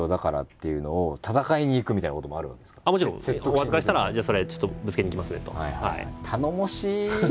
お預かりしたらじゃあそれぶつけに行きますねと。